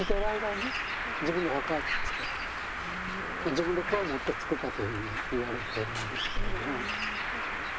自分でくわ持って作ったというふうにいわれてるんですけども。